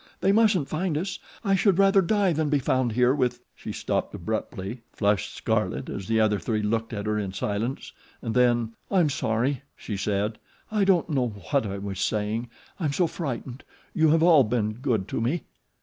"They mustn't find us! I should rather die than be found here with " She stopped abruptly, flushed scarlet as the other three looked at her in silence, and then: "I am sorry," she said. "I didn't know what I was saying. I am so frightened. You have all been good to me."